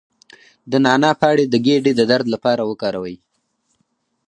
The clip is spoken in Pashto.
د نعناع پاڼې د ګیډې د درد لپاره وکاروئ